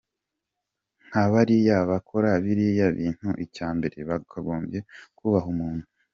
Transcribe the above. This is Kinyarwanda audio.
Nka bariya bakora biriya bintu icya mbere bagombye kubaha umuntu.